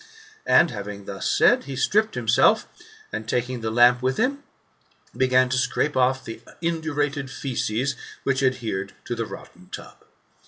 '* And, having thus said, he stripped himself, and taking the lamp with him, began to scrape off the indurated faeces which adhered to the rotten tub.